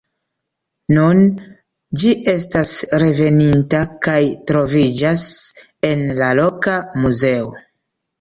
Nun ĝi estas reveninta kaj troviĝas en la loka muzeo.